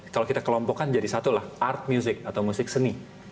kalau kita kelompokkan jadi satu lah art music atau musik seni